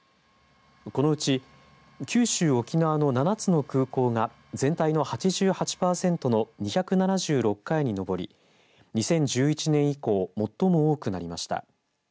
このうち九州・沖縄の７つの空港が全体の８８パーセントの２７６回に上り２０１１年以降最も多くなりました。